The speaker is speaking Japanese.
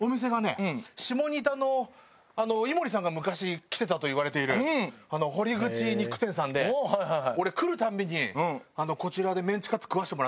下仁田の井森さんが昔来てたといわれている堀口肉店さんで俺来るたびにこちらでメンチカツ食わしてもらってて。